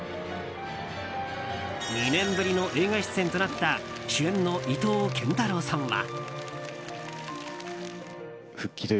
２年ぶりの映画出演となった主演の伊藤健太郎さんは。